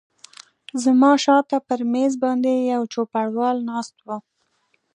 زما شاته پر مېز باندې یو چوپړوال ناست و.